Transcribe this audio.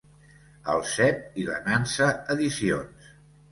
El Cep i la Nansa Edicions.